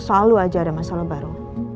selalu aja ada masalah baru